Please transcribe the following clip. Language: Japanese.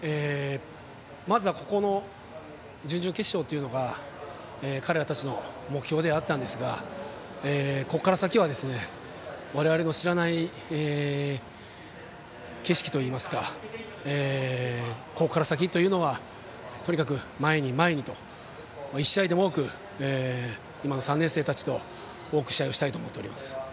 まずはここの準々決勝というのが彼らたちの目標ではあったんですがここから先は、我々の知らない景色といいますかここから先というのはとにかく前に前にという１試合でも多く今の３年生たちと多く試合がしたいと思っております。